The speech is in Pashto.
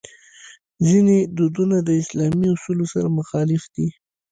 ځینې دودونه د اسلامي اصولو سره مخالف دي.